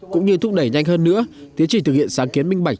cũng như thúc đẩy nhanh hơn nữa tiến trình thực hiện sáng kiến minh bạch